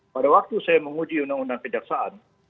pada waktu saya menguji undang undang kejaksaan